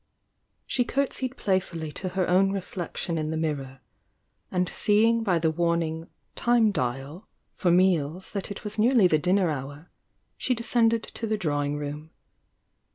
She curtsied playfully to her own reflection in the mirror, and seeing by the warning "time dial" for meals that it was nearly the dinner hour, she de scended to the drawing room.